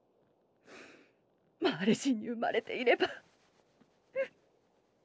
マーレ人に生まれていれば。